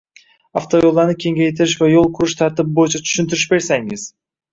Avtoyo‘llarni kengaytirish va yo‘l qurish tartibi bo‘yicha tushuntirish bersangiz?